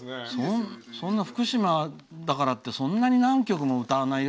福島だからってそんなに何曲も歌わないよ。